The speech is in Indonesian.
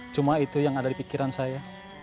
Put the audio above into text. cuma itu yang ada di pikiran saya